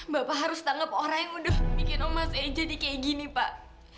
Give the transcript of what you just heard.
bapak harus tanggap orang yang udah bikin emas eh jadi kayak gini pak